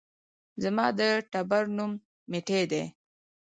زما د ټبر نوم ميټى دى